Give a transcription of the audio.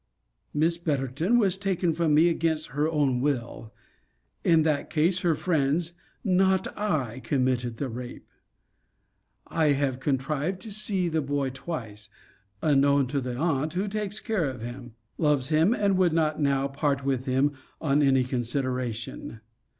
Miss Betterton was taken from me against her own will. In that case her friends, not I, committed the rape. I have contrived to see the boy twice, unknown to the aunt who takes care of him; loves him; and would not now part with him on any consideration.